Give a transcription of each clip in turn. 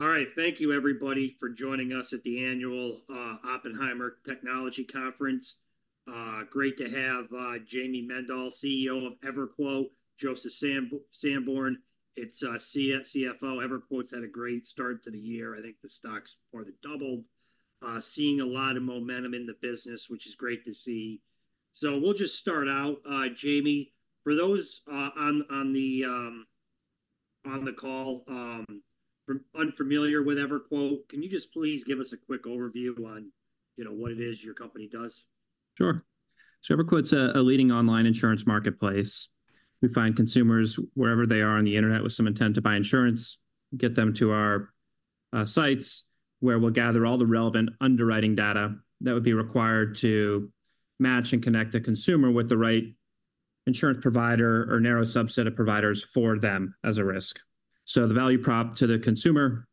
All right, thank you everybody for joining us at the annual Oppenheimer Technology Conference. Great to have Jayme Mendal, CEO of EverQuote, Joseph Sanborn, its CFO. EverQuote's had a great start to the year. I think the stock's more than doubled. Seeing a lot of momentum in the business, which is great to see. So we'll just start out, Jayme. For those on the call unfamiliar with EverQuote, can you just please give us a quick overview on, you know, what it is your company does? Sure. So EverQuote's a leading online insurance marketplace. We find consumers wherever they are on the internet with some intent to buy insurance, get them to our sites, where we'll gather all the relevant underwriting data that would be required to match and connect a consumer with the right insurance provider or narrow subset of providers for them as a risk. So the value prop to the consumer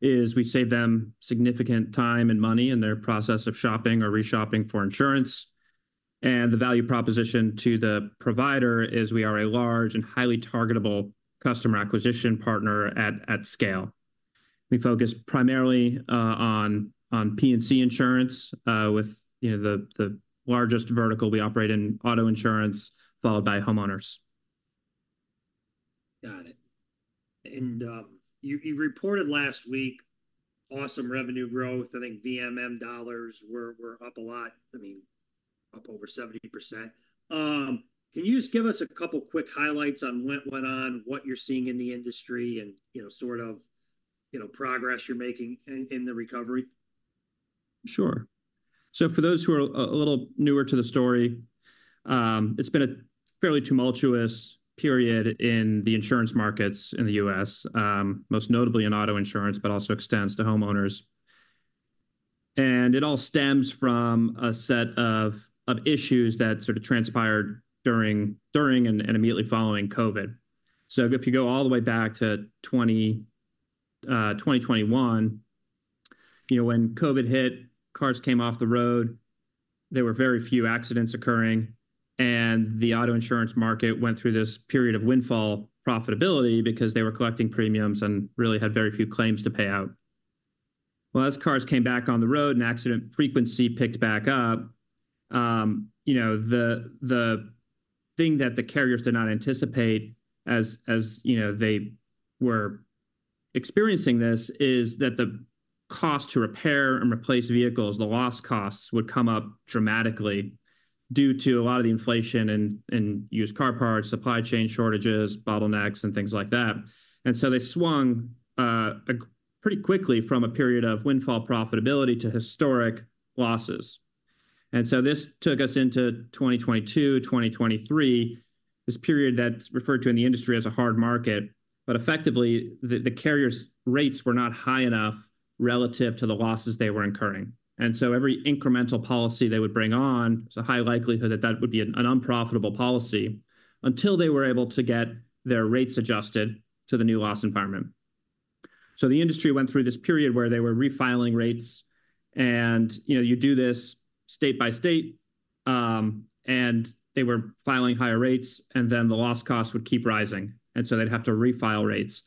is, we save them significant time and money in their process of shopping or re-shopping for insurance. And the value proposition to the provider is, we are a large and highly targetable customer acquisition partner at scale. We focus primarily on P&C insurance, with you know the largest vertical we operate in, auto insurance, followed by homeowners. Got it. And, you reported last week awesome revenue growth. I think VMM dollars were up a lot, I mean, up over 70%. Can you just give us a couple quick highlights on what went on, what you're seeing in the industry and, you know, sort of, you know, progress you're making in the recovery? Sure. So for those who are a little newer to the story, it's been a fairly tumultuous period in the insurance markets in the U.S., most notably in auto insurance, but also extends to homeowners. And it all stems from a set of issues that sort of transpired during and immediately following COVID. So if you go all the way back to 2021, you know, when COVID hit, cars came off the road, there were very few accidents occurring, and the auto insurance market went through this period of windfall profitability because they were collecting premiums and really had very few claims to pay out. Well, as cars came back on the road and accident frequency picked back up, you know, the thing that the carriers did not anticipate as you know they were experiencing this, is that the cost to repair and replace vehicles, the loss costs, would come up dramatically due to a lot of the inflation in used car parts, supply chain shortages, bottlenecks, and things like that. And so they swung pretty quickly from a period of windfall profitability to historic losses. And so this took us into 2022, 2023, this period that's referred to in the industry as a hard market. But effectively, the carriers' rates were not high enough relative to the losses they were incurring. And so every incremental policy they would bring on, there's a high likelihood that that would be an unprofitable policy until they were able to get their rates adjusted to the new loss environment. So the industry went through this period where they were refiling rates. And, you know, you do this state by state, and they were filing higher rates, and then the loss costs would keep rising, and so they'd have to refile rates.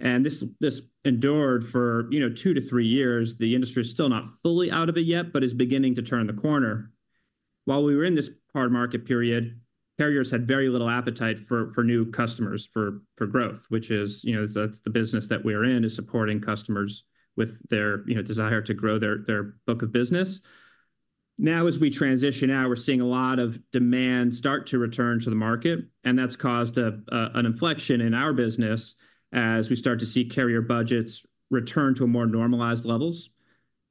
And this, this endured for, you know, 2 to 3 years. The industry is still not fully out of it yet but is beginning to turn the corner. While we were in this hard market period, carriers had very little appetite for, for new customers, for, for growth, which is, you know, that's the business that we're in, is supporting customers with their, you know, desire to grow their, their book of business. Now, as we transition, we're seeing a lot of demand start to return to the market, and that's caused an inflection in our business as we start to see carrier budgets return to more normalized levels.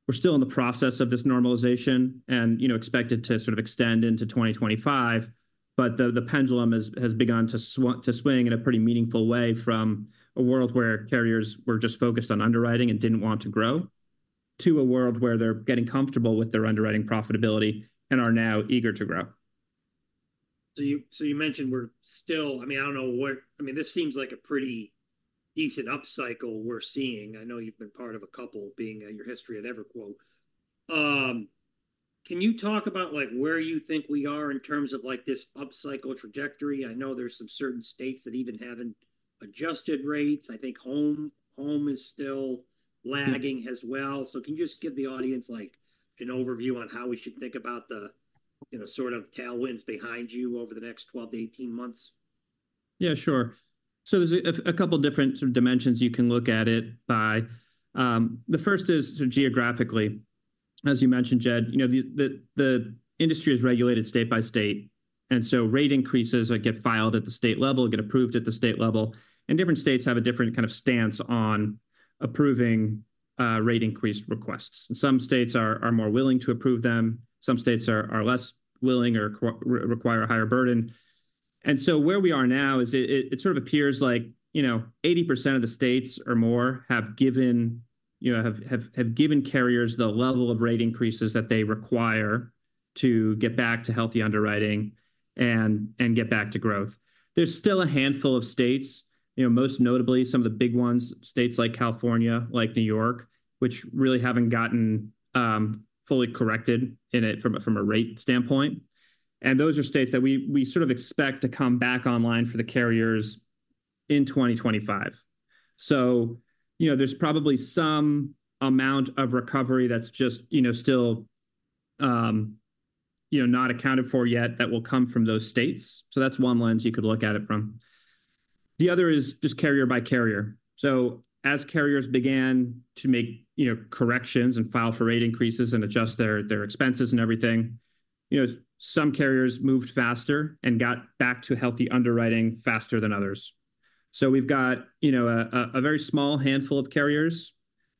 We're still in the process of this normalization and, you know, expect it to sort of extend into 2025. But the pendulum has begun to swing in a pretty meaningful way from a world where carriers were just focused on underwriting and didn't want to grow, to a world where they're getting comfortable with their underwriting profitability and are now eager to grow. So you mentioned we're still... I mean, this seems like a pretty decent upcycle we're seeing. I know you've been part of a couple, being your history at EverQuote. Can you talk about, like, where you think we are in terms of, like, this upcycle trajectory? I know there's some certain states that even haven't adjusted rates. I think home is still lagging as well. So can you just give the audience, like, an overview on how we should think about the, you know, sort of tailwinds behind you over the next 12-18 months? Yeah, sure. So there's a couple different sort of dimensions you can look at it by. The first is geographically. As you mentioned, Jed, you know, the industry is regulated state by state, and so rate increases that get filed at the state level get approved at the state level. And different states have a different kind of stance on approving rate increase requests. Some states are more willing to approve them, some states are less willing or require a higher burden. And so where we are now is, it sort of appears like, you know, 80% of the states or more have given, you know, have given carriers the level of rate increases that they require to get back to healthy underwriting and get back to growth. There's still a handful of states, you know, most notably some of the big ones, states like California, like New York, which really haven't gotten fully corrected in it from a rate standpoint. And those are states that we sort of expect to come back online for the carriers in 2025. So, you know, there's probably some amount of recovery that's just, you know, not accounted for yet that will come from those states. So that's one lens you could look at it from. The other is just carrier by carrier. So as carriers began to make, you know, corrections and file for rate increases and adjust their expenses and everything, you know, some carriers moved faster and got back to healthy underwriting faster than others. So we've got, you know, a very small handful of carriers,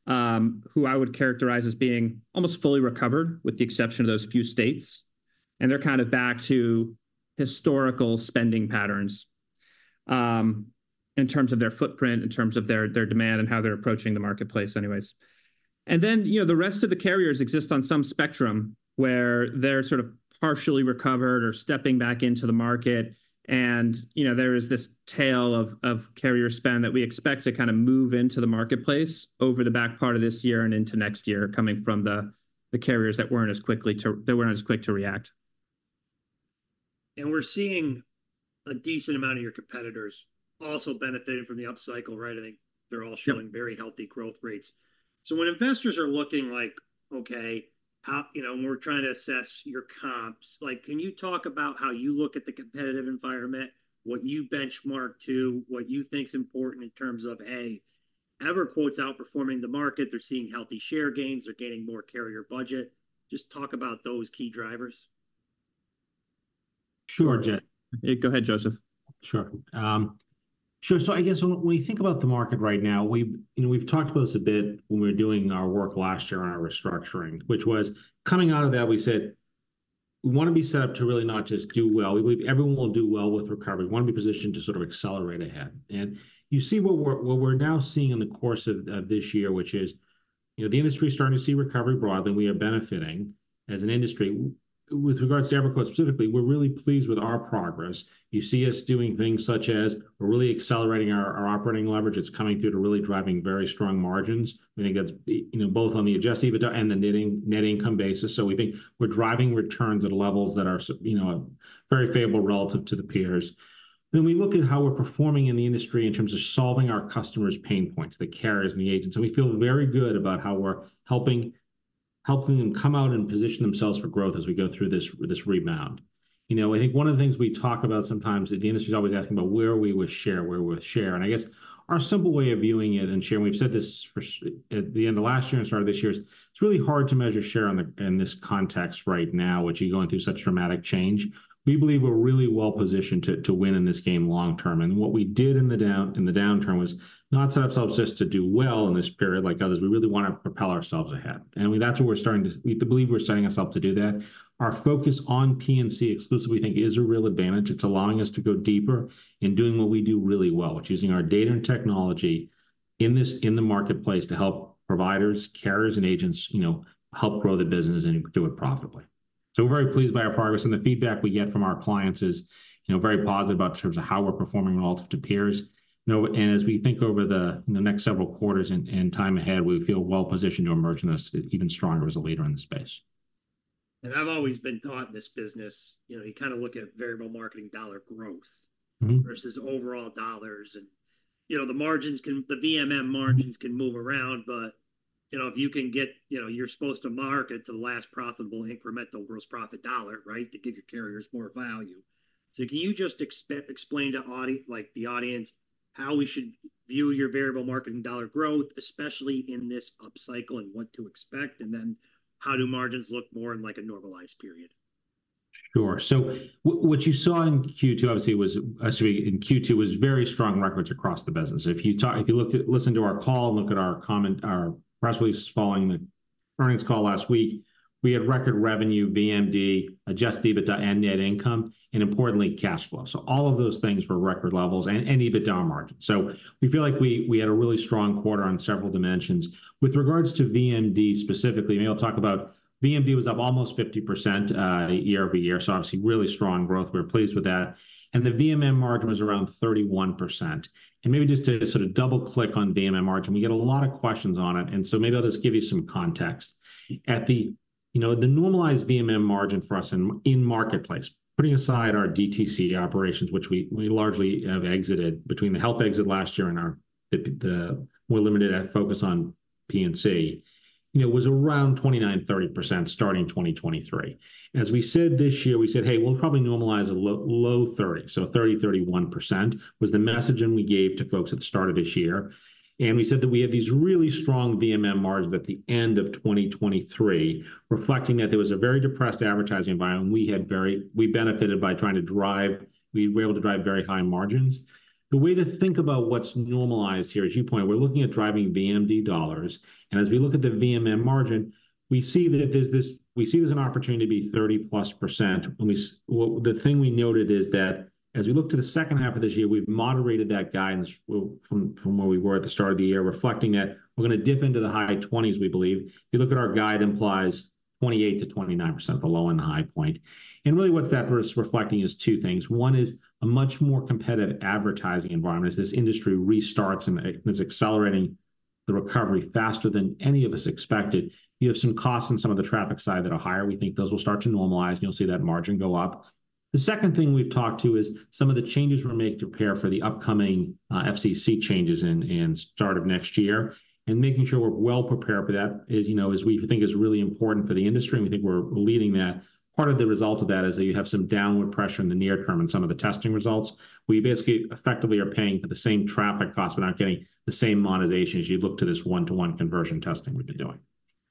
who I would characterize as being almost fully recovered, with the exception of those few states, and they're kind of back to historical spending patterns, in terms of their footprint, in terms of their demand and how they're approaching the marketplace anyways. And then, you know, the rest of the carriers exist on some spectrum, where they're sort of partially recovered or stepping back into the market. And, you know, there is this tail of carrier spend that we expect to kind of move into the marketplace over the back part of this year and into next year, coming from the carriers that weren't as quick to react. We're seeing a decent amount of your competitors also benefiting from the upcycle, right? I think they're all showing-very healthy growth rates. So when investors are looking like, "Okay, how..." You know, when we're trying to assess your comps, like, can you talk about how you look at the competitive environment, what you benchmark to, what you think is important in terms of, A, EverQuote's outperforming the market, they're seeing healthy share gains, they're gaining more carrier budget? Just talk about those key drivers. Sure, Joe. Go ahead, Joseph. Sure. Sure, so I guess when we think about the market right now, we've, you know, we've talked about this a bit when we were doing our work last year on our restructuring, which was coming out of that, we said, "We want to be set up to really not just do well." We believe everyone will do well with recovery. We want to be positioned to sort of accelerate ahead. And you see what we're now seeing in the course of this year, which is, you know, the industry is starting to see recovery broadly, and we are benefiting as an industry. With regards to EverQuote specifically, we're really pleased with our progress. You see us doing things such as we're really accelerating our operating leverage. It's coming through to really driving very strong margins, I think that's, you know, both on the Adjusted EBITDA and the net income basis. So we think we're driving returns at levels that are, you know, very favorable relative to the peers. Then we look at how we're performing in the industry in terms of solving our customers' pain points, the carriers and the agents, and we feel very good about how we're helping them come out and position themselves for growth as we go through this rebound. You know, I think one of the things we talk about sometimes, the industry is always asking about where we would share. I guess our simple way of viewing it and sharing, we've said this for at the end of last year and start of this year, is it's really hard to measure share on in this context right now, which you're going through such dramatic change. We believe we're really well positioned to win in this game long term. What we did in the downturn was not set ourselves just to do well in this period like others. We really want to propel ourselves ahead. That's what we're starting to. We believe we're setting ourselves up to do that. Our focus on P&C exclusively, we think, is a real advantage. It's allowing us to go deeper in doing what we do really well, which is using our data and technology in the marketplace to help providers, carriers, and agents, you know, help grow the business and do it profitably. So we're very pleased by our progress, and the feedback we get from our clients is, you know, very positive about in terms of how we're performing relative to peers. You know, and as we think over the next several quarters and time ahead, we feel well positioned to emerge in this, even stronger as a leader in the space. I've always been taught in this business, you know, you kind of look at variable marketing dollar growth-versus overall dollars. You know, the margins can, the VMM margins can move around, but, you know, if you can get... You know, you're supposed to market to the last profitable incremental gross profit dollar, right? To give your carriers more value. So can you just explain to, like, the audience, how we should view your variable marketing dollar growth, especially in this upcycle, and what to expect, and then how do margins look more in, like, a normalized period? Sure. So what you saw in Q2, obviously, was, sorry, in Q2, was very strong records across the business. If you listened to our call and look at our comment, our press release following the earnings call last week, we had record revenue, VMD, adjusted EBITDA and net income, and importantly, cash flow. So all of those things were record levels, and EBITDA margin. So we feel like we had a really strong quarter on several dimensions. With regards to VMD specifically, I mean, I'll talk about VMD was up almost 50%, year-over-year, so obviously really strong growth. We're pleased with that. And the VMM margin was around 31%. And maybe just to sort of double-click on VMM margin, we get a lot of questions on it, and so maybe I'll just give you some context. You know, the normalized VMM margin for us in Marketplace, putting aside our DTC operations, which we largely have exited between the health exit last year and our more limited narrow focus on P&C, you know, was around 29%-30%, starting in 2023. As we said this year, we said, "Hey, we'll probably normalize a low 30." So 30%-31% was the messaging we gave to folks at the start of this year. And we said that we had these really strong VMM margins at the end of 2023, reflecting that there was a very depressed advertising environment. We benefited by trying to drive... We were able to drive very high margins. The way to think about what's normalized here, as you point, we're looking at driving VMD dollars, and as we look at the VMM margin, we see that there's an opportunity to be 30%+. Well, the thing we noted is that, as we look to the second half of this year, we've moderated that guidance from where we were at the start of the year, reflecting that we're going to dip into the high 20s, we believe. If you look at our guide implies 28%-29% below in the high point. And really, what that was reflecting is two things: One is a much more competitive advertising environment. As this industry restarts, and it's accelerating the recovery faster than any of us expected, you have some costs on some of the traffic side that are higher. We think those will start to normalize, and you'll see that margin go up. The second thing we've talked to is some of the changes we're gonna make to prepare for the upcoming FCC changes in start of next year, and making sure we're well prepared for that is, you know, we think is really important for the industry, and we think we're leading that. Part of the result of that is that you have some downward pressure in the near term in some of the testing results. We basically effectively are paying for the same traffic cost, we're not getting the same monetization as you look to this one-to-one conversion testing we've been doing.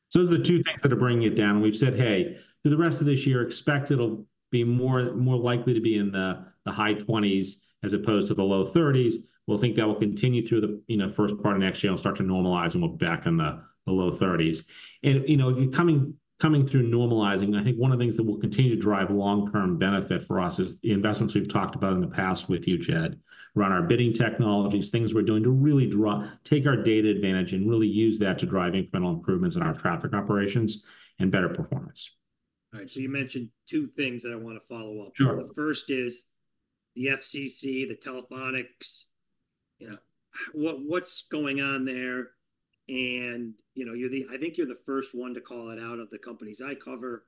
So those are the two things that are bringing it down, and we've said, "Hey, through the rest of this year, expect it'll be more, more likely to be in the, the high twenties as opposed to the low thirties." We'll think that will continue through the, you know, first part of next year and start to normalize, and we're back in the, the low thirties. And, you know, coming, coming through normalizing, I think one of the things that will continue to drive long-term benefit for us is the investments we've talked about in the past with you, Jed, around our bidding technologies, things we're doing to really drive our data advantage and really use that to drive incremental improvements in our traffic operations and better performance. All right, so you mentioned two things that I want to follow up. Sure. The first is the FCC, the TCPA. You know, what's going on there? And, you know, I think you're the first one to call it out of the companies I cover.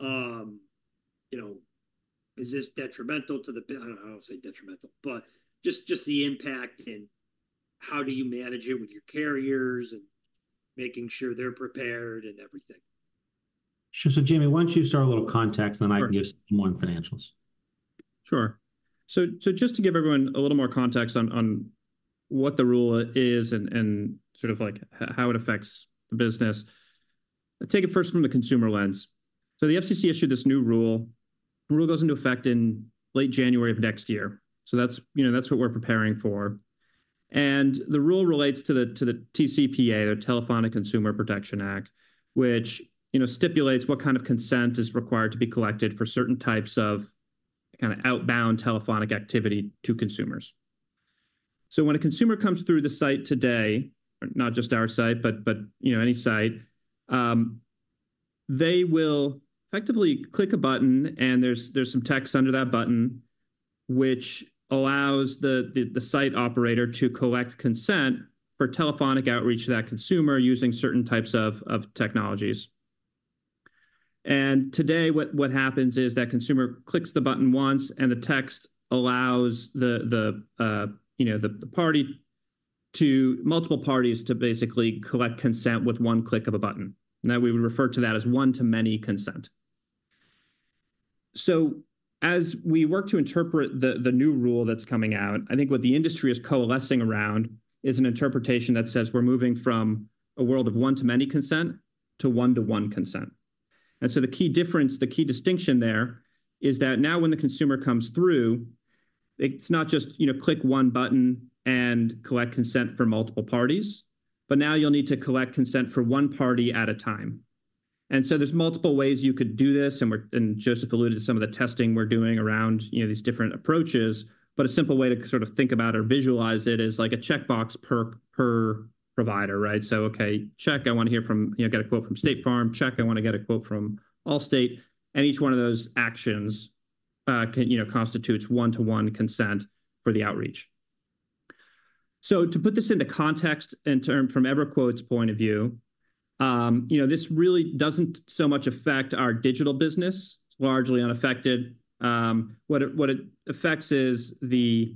You know, is this detrimental to the business? I won't say detrimental, but just the impact and how do you manage it with your carriers, and making sure they're prepared and everything. Sure. Jayme, why don't you start a little context-and then I can give more on financials. Sure. So just to give everyone a little more context on what the rule is and sort of like how it affects the business, let's take it first from the consumer lens. So the FCC issued this new rule. The rule goes into effect in late January of next year, so that's, you know, that's what we're preparing for. And the rule relates to the TCPA, the Telephone Consumer Protection Act, which, you know, stipulates what kind of consent is required to be collected for certain types of kind of outbound telephonic activity to consumers. So when a consumer comes through the site today, not just our site, but you know, any site, they will effectively click a button, and there's some text under that button which allows the site operator to collect consent for telephonic outreach to that consumer using certain types of technologies. And today, what happens is that consumer clicks the button once, and the text allows the, uh, you know, the party to multiple parties to basically collect consent with one click of a button. Now, we would refer to that as one-to-many consent. So as we work to interpret the new rule that's coming out, I think what the industry is coalescing around is an interpretation that says we're moving from a world of one-to-many consent to one-to-one consent. And so the key difference, the key distinction there, is that now when the consumer comes through, it's not just, you know, click one button and collect consent for multiple parties, but now you'll need to collect consent for one party at a time. And so there's multiple ways you could do this, and Joseph alluded to some of the testing we're doing around, you know, these different approaches. But a simple way to sort of think about or visualize it is like a checkbox per provider, right? So, okay, check, I want to hear from... you know, get a quote from State Farm. Check, I want to get a quote from Allstate. And each one of those actions can, you know, constitutes one-to-one consent for the outreach. So to put this into context and turn from EverQuote's point of view, you know, this really doesn't so much affect our digital business, it's largely unaffected. What it, what it affects is the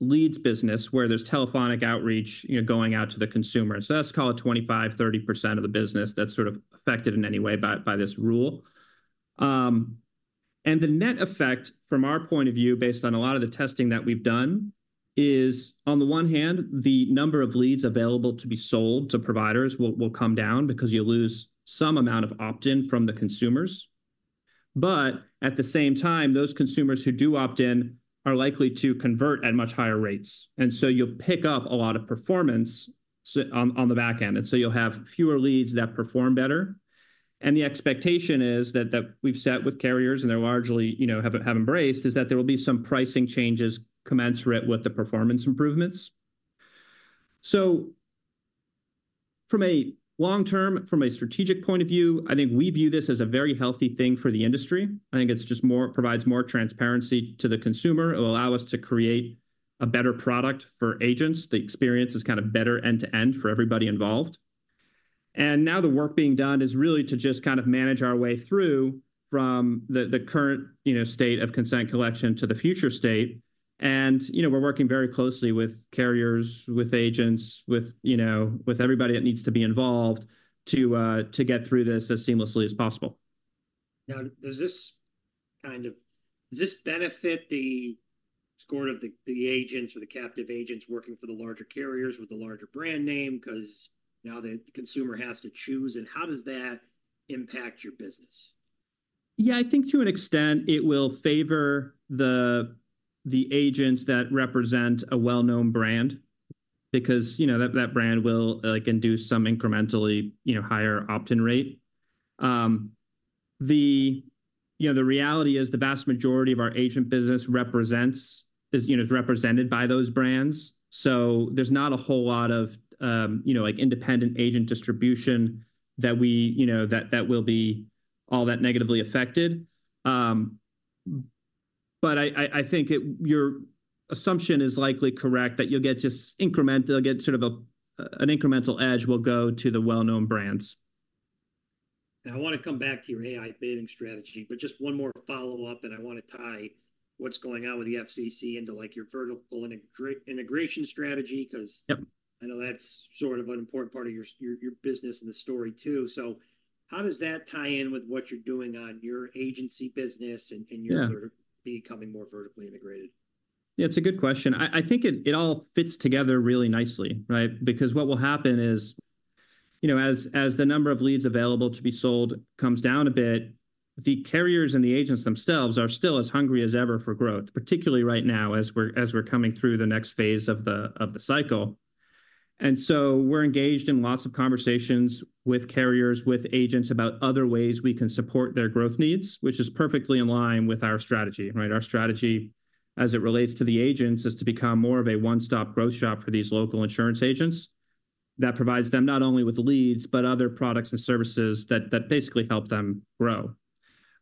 leads business, where there's telephonic outreach, you know, going out to the consumer. So let's call it 25%-30% of the business that's sort of affected in any way by, by this rule. And the net effect from our point of view, based on a lot of the testing that we've done, is, on the one hand, the number of leads available to be sold to providers will, will come down because you lose some amount of opt-in from the consumers. But at the same time, those consumers who do opt in are likely to convert at much higher rates. You'll pick up a lot of performance on the back end, and so you'll have fewer leads that perform better. The expectation that we've set with carriers, and they largely, you know, have embraced, is that there will be some pricing changes commensurate with the performance improvements. So from a long-term, from a strategic point of view, I think we view this as a very healthy thing for the industry. I think it's just more provides more transparency to the consumer. It will allow us to create a better product for agents. The experience is kind of better end-to-end for everybody involved. Now the work being done is really to just kind of manage our way through from the current, you know, state of consent collection to the future state. You know, we're working very closely with carriers, with agents, with, you know, with everybody that needs to be involved, to to get through this as seamlessly as possible. Now, does this benefit the score of the, the agents or the captive agents working for the larger carriers with the larger brand name? Because now the consumer has to choose, and how does that impact your business? Yeah, I think to an extent, it will favor the, the agents that represent a well-known brand because, you know, that, that brand will, like, induce some incrementally, you know, higher opt-in rate. You know, the reality is the vast majority of our agent business represents, is, you know, is represented by those brands. So there's not a whole lot of, you know, like, independent agent distribution that we, you know, that will be all that negatively affected. But I think your assumption is likely correct, that you'll get you'll get sort of a, an incremental edge will go to the well-known brands.... And I wanna come back to your AI bidding strategy, but just one more follow-up, and I wanna tie what's going on with the FCC into, like, your vertical integration strategy, 'cause, I know that's sort of an important part of your business and the story, too. So how does that tie in with what you're doing on your agency business and your-becoming more vertically integrated? Yeah, it's a good question. I think it all fits together really nicely, right? Because what will happen is, you know, as the number of leads available to be sold comes down a bit, the carriers and the agents themselves are still as hungry as ever for growth, particularly right now, as we're coming through the next phase of the cycle. And so we're engaged in lots of conversations with carriers, with agents, about other ways we can support their growth needs, which is perfectly in line with our strategy, right? Our strategy, as it relates to the agents, is to become more of a one-stop growth shop for these local insurance agents that provides them not only with leads, but other products and services that basically help them grow.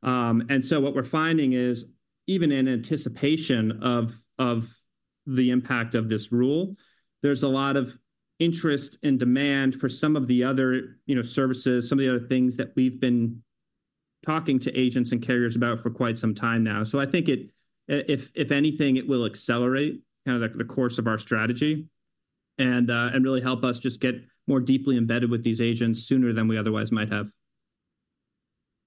And so what we're finding is, even in anticipation of the impact of this rule, there's a lot of interest and demand for some of the other, you know, services, some of the other things that we've been talking to agents and carriers about for quite some time now. So I think it, if anything, it will accelerate kind of, like, the course of our strategy and, and really help us just get more deeply embedded with these agents sooner than we otherwise might have.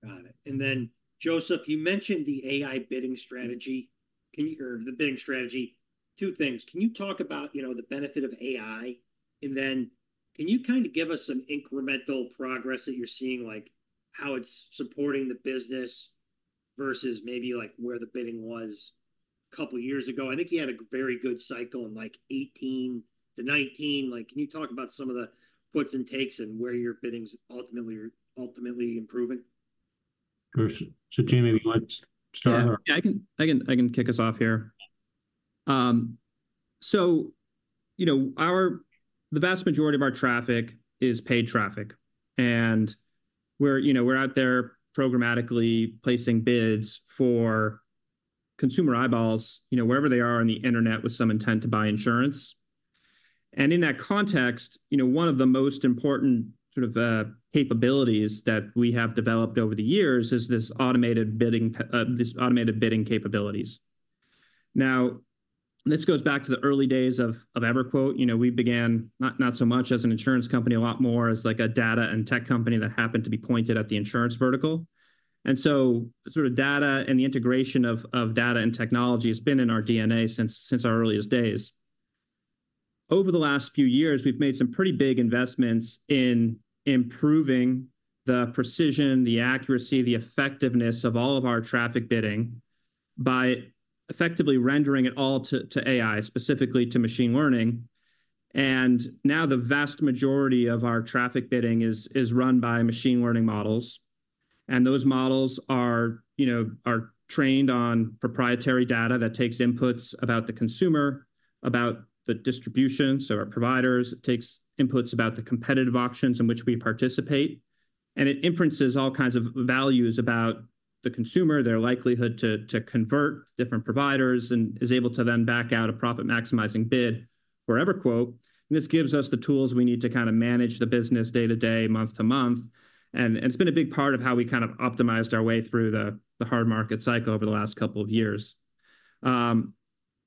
Got it. And then, Joseph, you mentioned the AI bidding strategy. Can you... or the bidding strategy. Two things: can you talk about, you know, the benefit of AI? And then, can you kind of give us some incremental progress that you're seeing, like how it's supporting the business versus maybe, like, where the bidding was a couple of years ago? I think you had a very good cycle in, like, 2018 to 2019. Like, can you talk about some of the puts and takes and where your bidding's ultimately, ultimately improving? Sure. So, Jayme, do you want to start? Yeah, I can, I can, I can kick us off here. So, you know, our—the vast majority of our traffic is paid traffic, and we're, you know, we're out there programmatically placing bids for consumer eyeballs, you know, wherever they are on the internet, with some intent to buy insurance. And in that context, you know, one of the most important sort of capabilities that we have developed over the years is this automated bidding capabilities. Now, this goes back to the early days of, of EverQuote. You know, we began not, not so much as an insurance company, a lot more as, like, a data and tech company that happened to be pointed at the insurance vertical. And so the sort of data and the integration of, of data and technology has been in our DNA since, since our earliest days. Over the last few years, we've made some pretty big investments in improving the precision, the accuracy, the effectiveness of all of our traffic bidding by effectively rendering it all to AI, specifically to machine learning. And now the vast majority of our traffic bidding is run by machine learning models, and those models are, you know, trained on proprietary data that takes inputs about the consumer, about the distribution, so our providers. It takes inputs about the competitive auctions in which we participate, and it infers all kinds of values about the consumer, their likelihood to convert different providers, and is able to then back out a profit-maximizing bid for EverQuote. This gives us the tools we need to kind of manage the business day to day, month to month, and it's been a big part of how we kind of optimized our way through the Hard Market cycle over the last couple of years.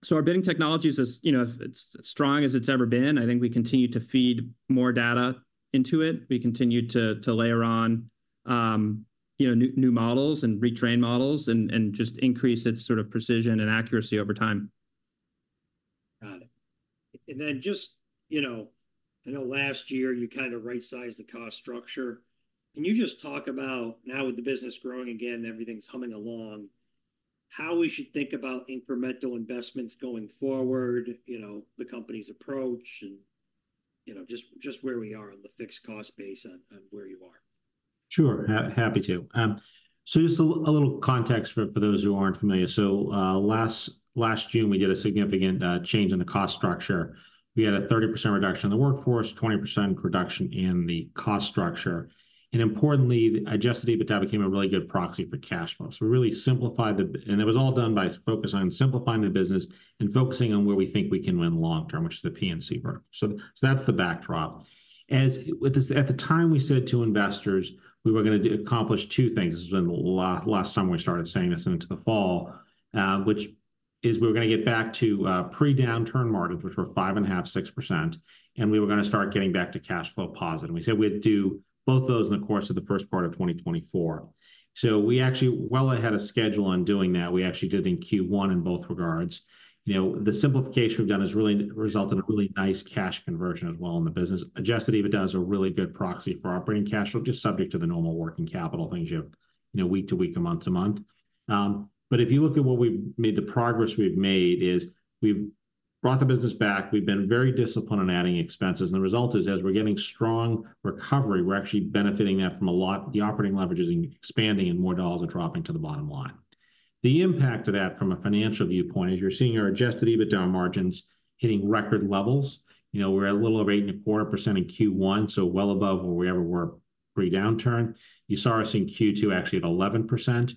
So our bidding technology is as, you know, as strong as it's ever been. I think we continue to feed more data into it. We continue to layer on, you know, new models and retrain models and just increase its sort of precision and accuracy over time. Got it. And then just, you know, I know last year you kind of right-sized the cost structure. Can you just talk about, now with the business growing again, everything's humming along, how we should think about incremental investments going forward, you know, the company's approach and, you know, just, just where we are on the fixed cost base on, on where you are? Sure, happy to. So just a little context for those who aren't familiar. So, last June, we did a significant change in the cost structure. We had a 30% reduction in the workforce, 20% reduction in the cost structure, and importantly, the Adjusted EBITDA became a really good proxy for cash flow. So we really simplified the... And it was all done by focus on simplifying the business and focusing on where we think we can win long term, which is the P&C work. So that's the backdrop. As with this at the time, we said to investors we were gonna do, accomplish two things. This has been last summer we started saying this and into the fall, which is we were gonna get back to pre-downturn margins, which were 5.5%-6%, and we were gonna start getting back to cash flow positive. And we said we'd do both of those in the course of the first part of 2024. So we actually well ahead of schedule on doing that, we actually did in Q1 in both regards. You know, the simplification we've done has really resulted in a really nice cash conversion as well in the business. Adjusted EBITDA is a really good proxy for operating cash flow, just subject to the normal working capital things you have, you know, week to week or month to month. But if you look at what we've made, the progress we've made is we've brought the business back. We've been very disciplined on adding expenses, and the result is, as we're getting strong recovery, we're actually benefiting that from a lot... The operating leverage is expanding, and more dollars are dropping to the bottom line. The impact of that from a financial viewpoint is you're seeing our Adjusted EBITDA margins hitting record levels. You know, we're at a little over 8.25% in Q1, so well above where we ever were pre-downturn. You saw us in Q2 actually at 11%.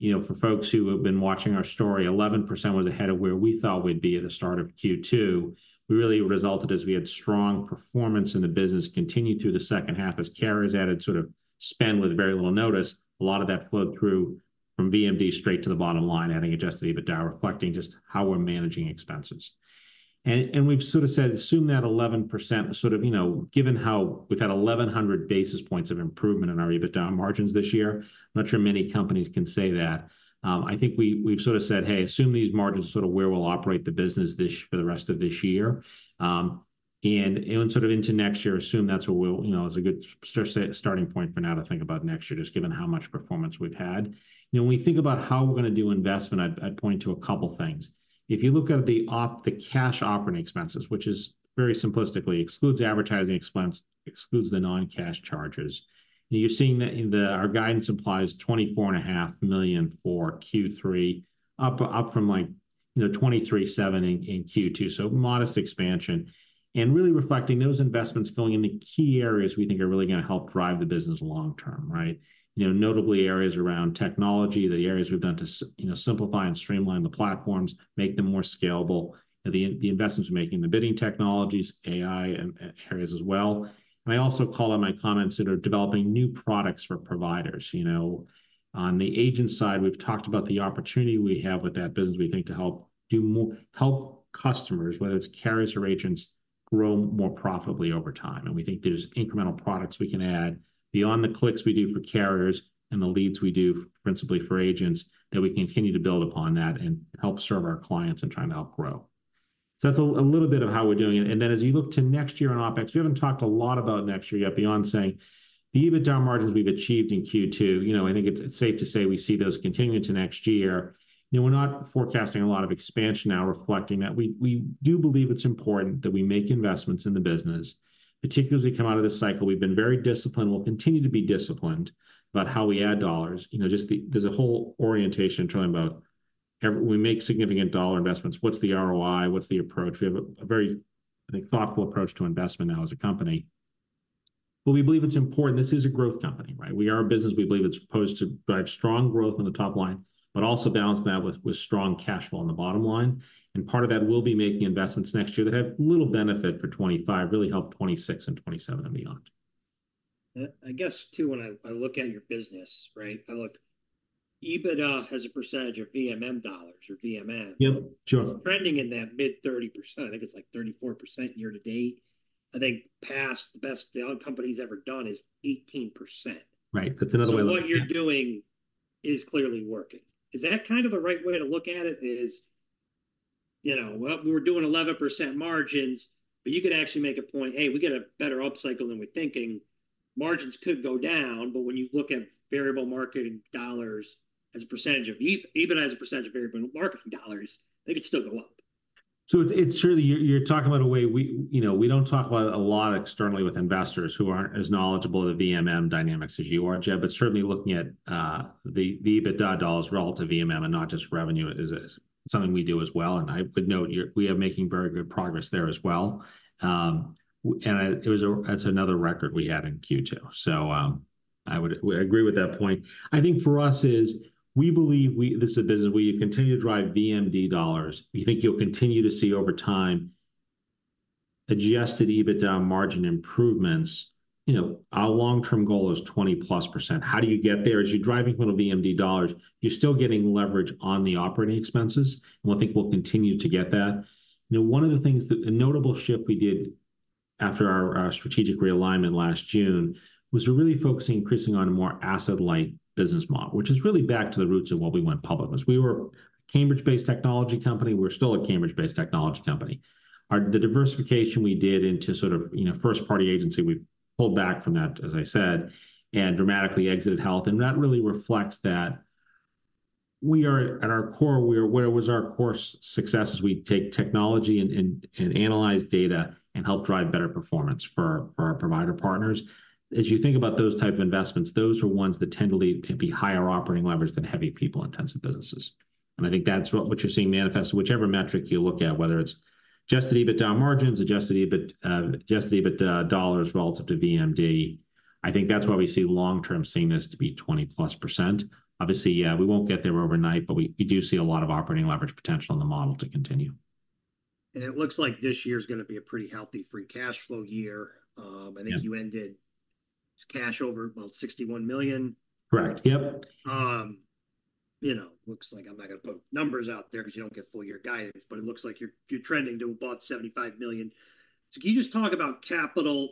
You know, for folks who have been watching our story, 11% was ahead of where we thought we'd be at the start of Q2, really resulted as we had strong performance in the business continue through the second half as carriers added sort of spend with very little notice. A lot of that flowed through from VMD straight to the bottom line, adding Adjusted EBITDA, reflecting just how we're managing expenses. And we've sort of said, assume that 11% sort of, you know, given how we've had 1,100 basis points of improvement in our EBITDA margins this year, I'm not sure many companies can say that. I think we've sort of said, "Hey, assume these margins are sort of where we'll operate the business this for the rest of this year." And sort of into next year, assume that's where we'll, you know, is a good starting point for now to think about next year, just given how much performance we've had. You know, when we think about how we're going to do investment, I'd point to a couple things. If you look at the cash operating expenses, which is very simplistically excludes advertising expense, excludes the non-cash charges, you're seeing that in the Our guidance applies $24.5 million for Q3, up, up from like, you know, $23.7 million in Q2, so modest expansion. And really reflecting those investments going in the key areas we think are really going to help drive the business long term, right? You know, notably areas around technology, the areas we've done to, you know, simplify and streamline the platforms, make them more scalable, and the, the investments we're making, the bidding technologies, AI and, and areas as well. And I also call on my comments that are developing new products for providers. You know, on the agent side, we've talked about the opportunity we have with that business, we think to help do more - help customers, whether it's carriers or agents, grow more profitably over time. And we think there's incremental products we can add beyond the clicks we do for carriers and the leads we do principally for agents, that we continue to build upon that and help serve our clients and try to help grow. So that's a, a little bit of how we're doing it. And then as you look to next year on OpEx, we haven't talked a lot about next year yet, beyond saying the EBITDA margins we've achieved in Q2, you know, I think it's safe to say we see those continuing to next year. You know, we're not forecasting a lot of expansion now, reflecting that we do believe it's important that we make investments in the business, particularly as we come out of this cycle. We've been very disciplined. We'll continue to be disciplined about how we add dollars. You know, just the, there's a whole orientation talking about every... We make significant dollar investments. What's the ROI? What's the approach? We have a very, I think, thoughtful approach to investment now as a company. But we believe it's important. This is a growth company, right? We are a business. We believe it's supposed to drive strong growth on the top line, but also balance that with strong cash flow on the bottom line, and part of that will be making investments next year that have little benefit for 2025, really help 2026 and 2027 and beyond. I guess too, when I look at your business, right, EBITDA as a percentage of VMM dollars or VMM- Yep. Sure. Trending in that mid-30%, I think it's like 34% year to date. I think past the best the company's ever done is 18%. Right. That's another way- So what you're doing is clearly working. Is that kind of the right way to look at it, is, you know, well, we're doing 11% margins, but you could actually make a point, "Hey, we get a better upcycle than we're thinking," margins could go down. But when you look at variable marketing dollars as a percentage of EBITDA as a percentage of variable marketing dollars, they could still go up. So it's surely you're talking about a way we... You know, we don't talk about a lot externally with investors who aren't as knowledgeable of the VMM dynamics as you are, Jed. But certainly looking at the EBITDA dollars relative to VMM and not just revenue is something we do as well, and I would note, we are making very good progress there as well. And it was a, that's another record we had in Q2. So, I would agree with that point. I think for us is, we believe we- this is a business we continue to drive VMD dollars. We think you'll continue to see over time Adjusted EBITDA margin improvements. You know, our long-term goal is 20%+. How do you get there? As you're driving little VMD dollars, you're still getting leverage on the operating expenses, and I think we'll continue to get that. You know, one of the things that... A notable shift we did after our strategic realignment last June was we're really focusing increasingly on a more asset-light business model, which is really back to the roots of what we went public. As we were a Cambridge-based technology company, we're still a Cambridge-based technology company. The diversification we did into sort of, you know, first-party agency, we pulled back from that, as I said, and dramatically exited health. That really reflects that we are, at our core, where our core success is we take technology and analyze data and help drive better performance for our provider partners. As you think about those type of investments, those are ones that tend to lead, can be higher operating leverage than heavy people-intensive businesses. I think that's what you're seeing manifest, whichever metric you look at, whether it's Adjusted EBITDA margins, Adjusted EBITDA, Adjusted EBITDA dollars relative to VMD. I think that's why we see long-term seems to be 20%+. Obviously, yeah, we won't get there overnight, but we do see a lot of operating leverage potential in the model to continue. It looks like this year's gonna be a pretty healthy free cash flow year. Yeah. I think you ended cash over, well, $61 million. Correct. Yep. You know, looks like I'm not going to put numbers out there, because you don't get full year guidance, but it looks like you're trending to about $75 million. So can you just talk about capital,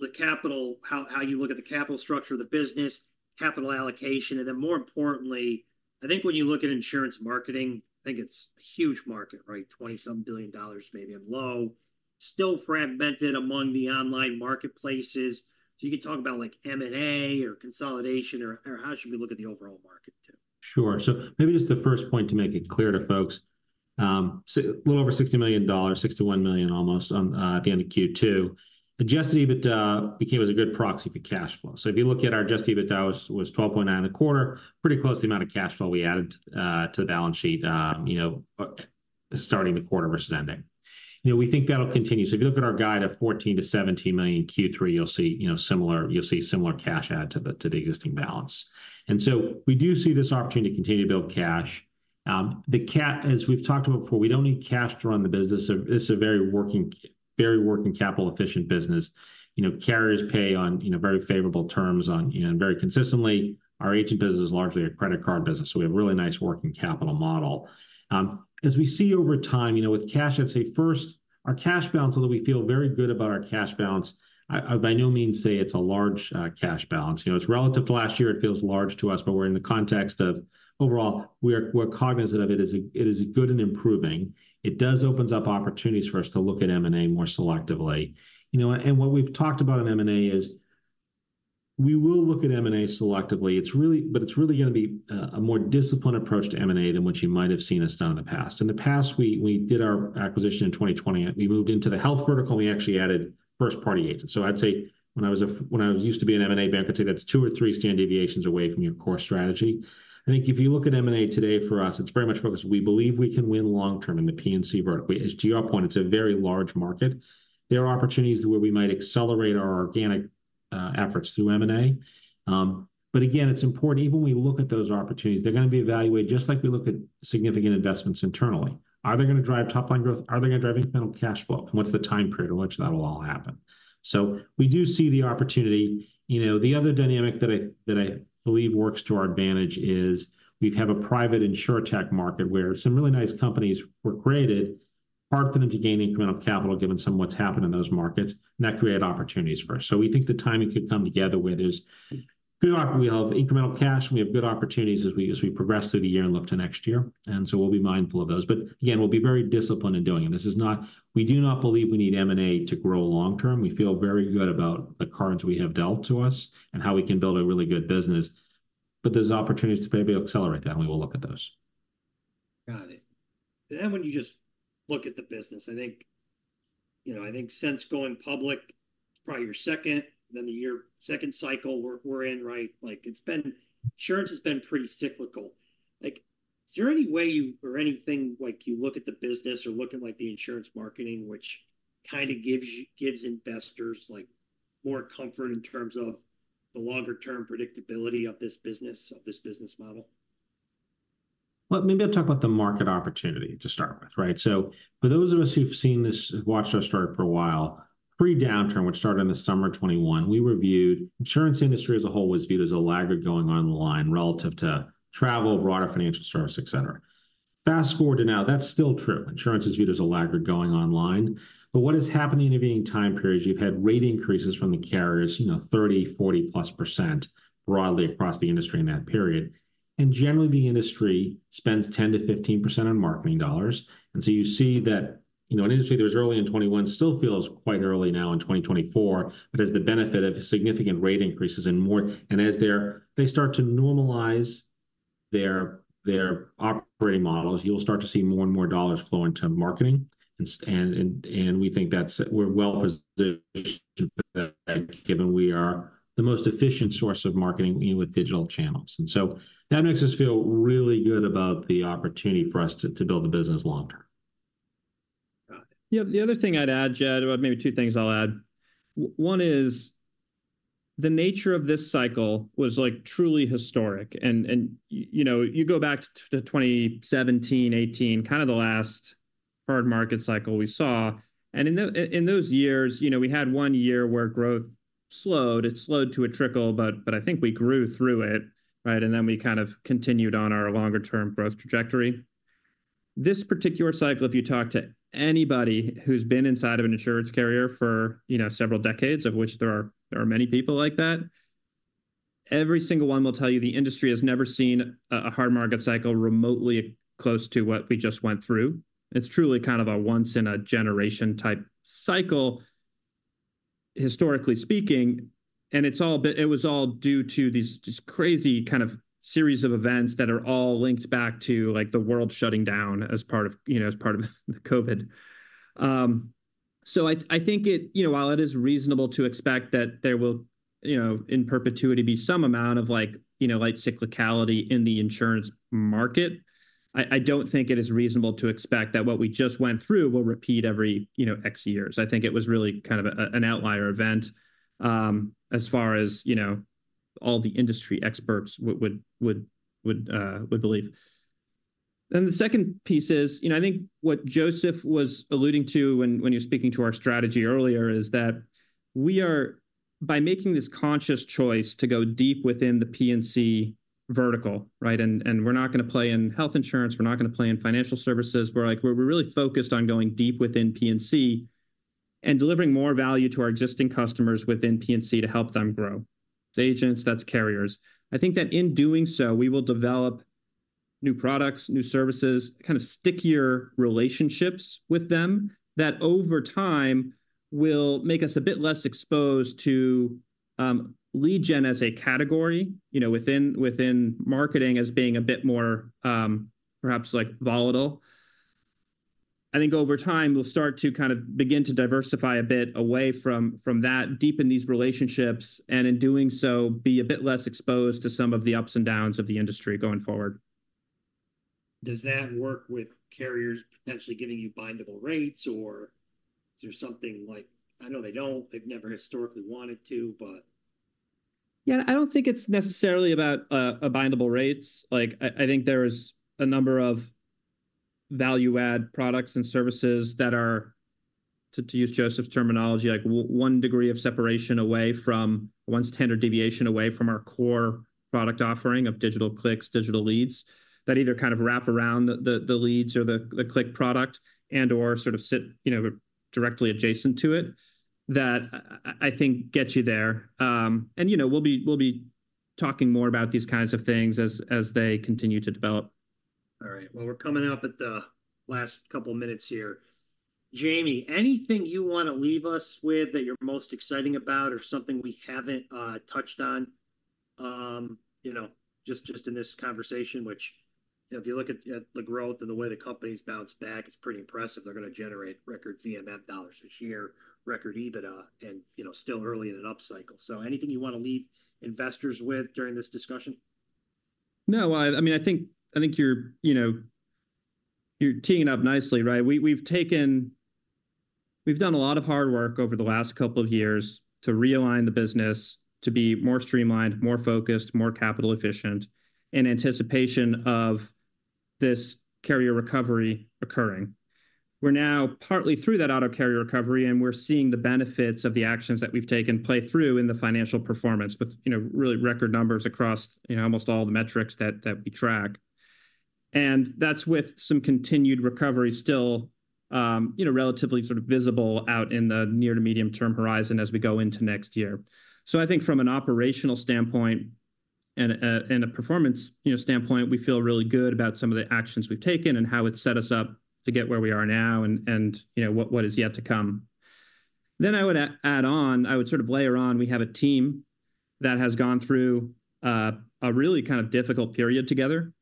how you look at the capital structure of the business, capital allocation, and then more importantly, I think when you look at insurance marketing, I think it's a huge market, right? $27 billion, maybe I'm low. Still fragmented among the online marketplaces. So you can talk about like M&A or consolidation, or how should we look at the overall market too? Sure. So maybe just the first point to make it clear to folks, so a little over $60 million, $61 million almost on at the end of Q2. Adjusted EBITDA became as a good proxy for cash flow. So if you look at our adjusted EBITDA, was 12.9 a quarter, pretty close to the amount of cash flow we added to the balance sheet, you know, starting the quarter versus ending. You know, we think that'll continue. So if you look at our guide of $14 million-$17 million in Q3, you'll see, you know, similar—you'll see similar cash add to the existing balance. And so we do see this opportunity to continue to build cash. As we've talked about before, we don't need cash to run the business. It's a very working capital-efficient business. You know, carriers pay on, you know, very favorable terms on, and very consistently. Our agent business is largely a credit card business, so we have a really nice working capital model. As we see over time, you know, with cash, I'd say first, our cash balance, although we feel very good about our cash balance, I by no means say it's a large cash balance. You know, it's relative to last year, it feels large to us, but we're in the context of overall, we're cognizant of it is a, it is good and improving. It does opens up opportunities for us to look at M&A more selectively. You know, what we've talked about in M&A is we will look at M&A selectively. It's really, but it's really going to be a more disciplined approach to M&A than what you might have seen us done in the past. In the past, we did our acquisition in 2020, and we moved into the health vertical, and we actually added first-party agents. So I'd say when I used to be an M&A banker, I'd say that's two or three standard deviations away from your core strategy. I think if you look at M&A today, for us, it's very much focused. We believe we can win long term in the P&C vertical. As to your point, it's a very large market. There are opportunities where we might accelerate our organic efforts through M&A. But again, it's important even when we look at those opportunities, they're going to be evaluated just like we look at significant investments internally. Are they going to drive top-line growth? Are they going to drive incremental cash flow? And what's the time period in which that will all happen? So we do see the opportunity. You know, the other dynamic that I believe works to our advantage is we have a private insurtech market where some really nice companies were created, part of them to gain incremental capital, given some of what's happened in those markets, and that created opportunities for us. So we think the timing could come together where there's good opportunities. We have incremental cash, and we have good opportunities as we progress through the year and look to next year, and so we'll be mindful of those. But again, we'll be very disciplined in doing it. This is not. We do not believe we need M&A to grow long term. We feel very good about the cards we have dealt to us and how we can build a really good business, but there's opportunities to maybe accelerate that, and we will look at those. Got it. And then when you just look at the business, I think, you know, I think since going public, it's probably your second, then the year second cycle we're, we're in, right? Like, it's been, insurance has been pretty cyclical. Like, is there any way you or anything like you look at the business or look at, like, the insurance marketing, which kind of gives you- gives investors, like, more comfort in terms of the longer-term predictability of this business, of this business model? Well, maybe I'll talk about the market opportunity to start with, right? So for those of us who've seen this, watched our start for a while, pre-downturn, which started in the summer 2021, we reviewed, insurance industry as a whole was viewed as a laggard going online relative to travel, broader financial service, et cetera. Fast-forward to now, that's still true. Insurance is viewed as a laggard going online. But what has happened in the intervening time period is you've had rate increases from the carriers, you know, 30, 40+% broadly across the industry in that period. And generally, the industry spends 10%-15% on marketing dollars. And so you see that, you know, an industry that was early in 2021 still feels quite early now in 2024. But as the benefit of significant rate increases and as they start to normalize their operating models, you'll start to see more and more dollars flow into marketing. And we think we're well positioned, given we are the most efficient source of marketing with digital channels. And so that makes us feel really good about the opportunity for us to build the business long term. Yeah, the other thing I'd add, Jed, well, maybe two things I'll add. One is the nature of this cycle was, like, truly historic. And you know, you go back to 2017, 2018, kind of the last hard market cycle we saw, and in those years, you know, we had one year where growth slowed. It slowed to a trickle, but I think we grew through it, right? And then we kind of continued on our longer-term growth trajectory. This particular cycle, if you talk to anybody who's been inside of an insurance carrier for, you know, several decades, of which there are, there are many people like that, every single one will tell you, the industry has never seen a hard market cycle remotely close to what we just went through. It's truly kind of a once-in-a-generation-type cycle, historically speaking, and it was all due to these crazy kind of series of events that are all linked back to, like, the world shutting down as part of, you know, as part of COVID. So I think it, you know, while it is reasonable to expect that there will, you know, in perpetuity, be some amount of like, you know, like cyclicality in the insurance market, I don't think it is reasonable to expect that what we just went through will repeat every, you know, X years. I think it was really kind of an outlier event, as far as, you know, all the industry experts would believe. Then the second piece is, you know, I think what Joseph was alluding to when, when you were speaking to our strategy earlier, is that we are, by making this conscious choice to go deep within the P&C vertical, right? And we're not going to play in health insurance, we're not going to play in financial services. We're like, we're really focused on going deep within P&C and delivering more value to our existing customers within P&C to help them grow. That's agents, that's carriers. I think that in doing so, we will develop new products, new services, kind of stickier relationships with them, that over time will make us a bit less exposed to, lead gen as a category, you know, within marketing as being a bit more, perhaps, like, volatile... I think over time, we'll start to kind of begin to diversify a bit away from, from that, deepen these relationships, and in doing so, be a bit less exposed to some of the ups and downs of the industry going forward. Does that work with carriers potentially giving you bindable rates, or is there something like, I know they don't, they've never historically wanted to, but- Yeah, I don't think it's necessarily about bindable rates. Like, I think there's a number of value-add products and services that are, to use Joseph's terminology, like, one degree of separation away from, one standard deviation away from our core product offering of digital clicks, digital leads, that either kind of wrap around the leads or the click product and/or sit, you know, directly adjacent to it, that I think gets you there. And, you know, we'll be talking more about these kinds of things as they continue to develop. All right. Well, we're coming up at the last couple minutes here. Jayme, anything you wanna leave us with that you're most exciting about, or something we haven't touched on, you know, just in this conversation? Which, if you look at the growth and the way the company's bounced back, it's pretty impressive. They're gonna generate record VMD dollars this year, record EBITDA, and, you know, still early in an up cycle. So anything you wanna leave investors with during this discussion? No, I mean, I think you're, you know, you're teeing it up nicely, right? We've done a lot of hard work over the last couple of years to realign the business to be more streamlined, more focused, more capital efficient, in anticipation of this carrier recovery occurring. We're now partly through that auto carrier recovery, and we're seeing the benefits of the actions that we've taken play through in the financial performance, with, you know, really record numbers across, you know, almost all the metrics that we track. And that's with some continued recovery still, you know, relatively sort of visible out in the near to medium-term horizon as we go into next year. So I think from an operational standpoint and a performance, you know, standpoint, we feel really good about some of the actions we've taken and how it's set us up to get where we are now and, you know, what is yet to come. Then I would add on, I would sort of layer on, we have a team that has gone through a really kind of difficult period together.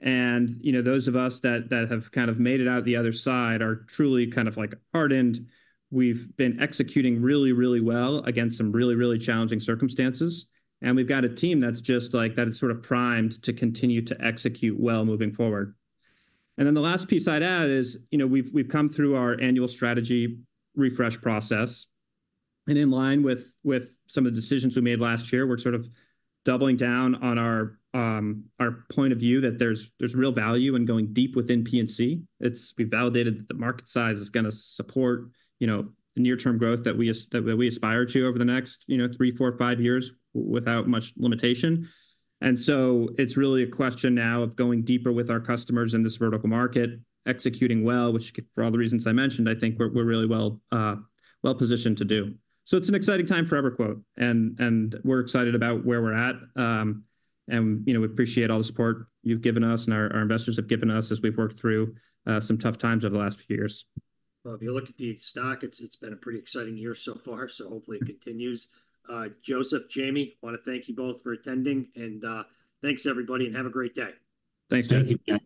And, you know, those of us that have kind of made it out the other side are truly kind of, like, hardened. We've been executing really, really well against some really, really challenging circumstances, and we've got a team that's just, like, is sort of primed to continue to execute well moving forward. And then the last piece I'd add is, you know, we've come through our annual strategy refresh process, and in line with some of the decisions we made last year, we're sort of doubling down on our point of view that there's real value in going deep within P&C. We've validated that the market size is gonna support, you know, the near-term growth that we aspire to over the next, you know, three, four, five years, without much limitation. And so it's really a question now of going deeper with our customers in this vertical market, executing well, which, for all the reasons I mentioned, I think we're really well positioned to do. So it's an exciting time for EverQuote, and we're excited about where we're at. You know, we appreciate all the support you've given us and our, our investors have given us as we've worked through some tough times over the last few years. Well, if you look at the stock, it's, it's been a pretty exciting year so far, so hopefully it continues. Joseph, Jayme, wanna thank you both for attending, and, thanks, everybody, and have a great day. Thanks, Jed. Thank you.